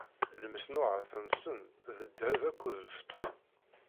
Lmeṣnuɛat-nsen, d ddheb akked lfeṭṭa.